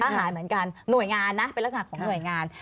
หน่วยงานนะเป็นลักษณะของหน่วยงาน